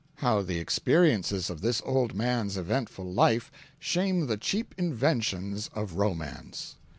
How the experiences of this old man's eventful life shame the cheap inventions of romance!"